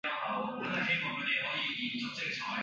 副产品是指衍生自制造过程或化学反应的次产物。